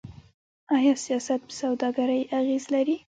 آیا سیاست په سوداګرۍ اغیز لري؟